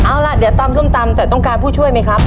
เอาล่ะเดี๋ยวตำส้มตำแต่ต้องการผู้ช่วยไหมครับ